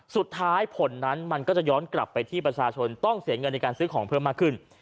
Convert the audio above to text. สุดท้ายผลนั้นมันก็จะย้อนกลับไปที่ประชาชนต้องเสียเงินในการซื้อของเพิ่มมากขึ้น